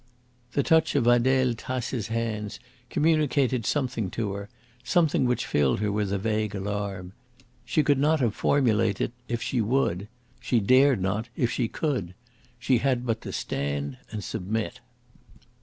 The touch of Adele Tace's hands communicated something to her something which filled her with a vague alarm. She could not have formulated it if she would; she dared not if she could. She had but to stand and submit.